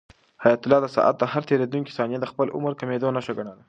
حیات الله د ساعت هر تېریدونکی ثانیه د خپل عمر د کمېدو نښه ګڼله.